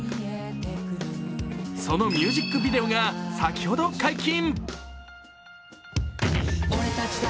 そのミュージックビデオが先ほど解禁。